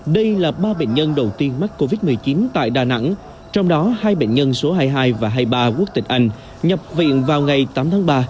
đây là ba bệnh nhân đầu tiên mắc covid một mươi chín tại đà nẵng trong đó hai bệnh nhân số hai mươi hai và hai mươi ba quốc tịch anh nhập viện vào ngày tám tháng ba